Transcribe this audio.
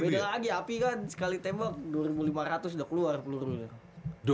beda lagi api kan sekali tembak rp dua lima ratus udah keluar peluru